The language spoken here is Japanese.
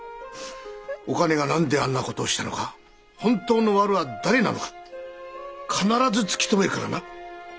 お兼が何であんな事をしたのか本当のワルは誰なのか必ず突き止めるからな。